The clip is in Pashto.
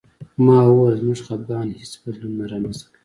ما وویل زموږ خپګان هېڅ بدلون نه رامنځته کوي